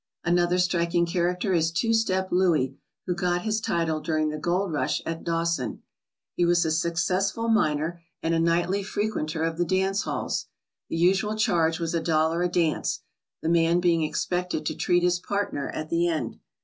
Another striking character is "Two step Louie," who got his title during the gold rush at Dawson. He was a ALASKA OUR NORTHERN WONDERLAND successful miner and a nightly frequenter of the dance halls. The usual charge was a dollar a dance, the man being expected to treat his partner at the end.